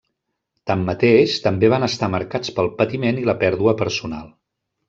Tanmateix, també van estar marcats pel patiment i la pèrdua personal.